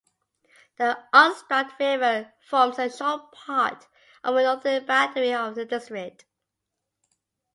The Unstrut River forms a short part of the northern boundary of the district.